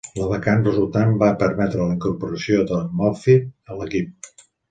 La vacant resultant va permetre la incorporació de Moffitt a l'equip.